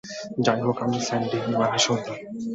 যাইহোক, আমি স্যান্ডি, মানে সন্ধ্যা।